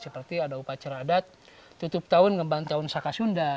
seperti ada upacara adat tutup tahun ngembang tahun saka sunda